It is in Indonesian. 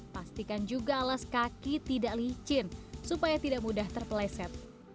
pastikan juga alas kaki tidak licin supaya tidak mudah terpeleset